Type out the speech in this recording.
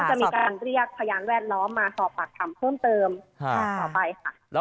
จะมีการเรียกพยานแวดล้อมมาสอบปากคำเพิ่มเติมต่อไปค่ะ